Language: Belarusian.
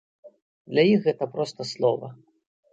Для іх гэта проста слова.